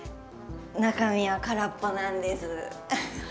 中身は空っぽなんです。